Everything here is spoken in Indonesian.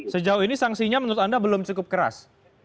sejauh ini sanksinya menurut anda belum cukup keras